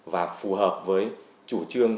và phù hợp với chủ trương